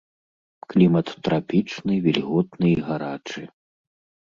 Клімат трапічны, вільготны і гарачы.